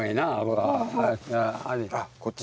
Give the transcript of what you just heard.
あっこっち？